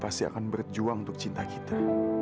pasti akan berjuang untuk cinta kita